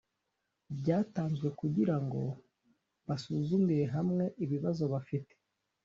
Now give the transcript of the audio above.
byatanzwe kugira ngo basuzumire hamwe ibibazo bafite.